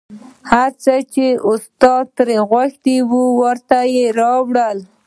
هر څه چې استاد در څخه غوښتل ورته یې راوړه